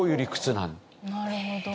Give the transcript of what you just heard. なるほど。